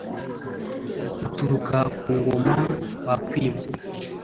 uturuka ku ngoma ,wakwima